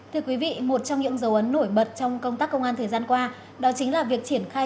thưa quý vị một trong những dấu ấn nổi bật trong công tác công an thời gian qua đó chính là việc triển khai